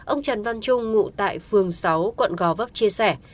ông trần văn trung ngụ tại phường sáu quận gò vấp chia sẻ